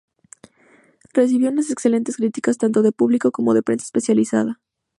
Recibió unas excelentes críticas tanto de público como de prensa especializada.